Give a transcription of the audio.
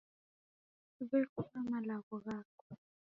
Siw'ekuna malagho ghako.